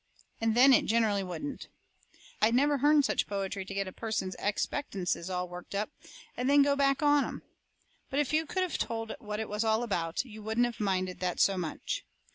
And then it ginerally wouldn't. I never hearn such poetry to get a person's expectances all worked up, and then go back on 'em. But if you could of told what it was all about, you wouldn't of minded that so much.